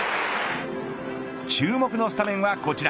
注目のスタメンはこちら。